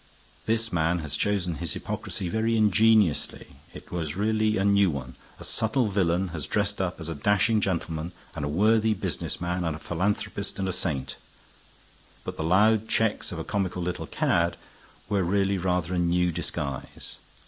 This man has chosen his hypocrisy very ingeniously; it was really a new one. A subtle villain has dressed up as a dashing gentleman and a worthy business man and a philanthropist and a saint; but the loud checks of a comical little cad were really rather a new disguise.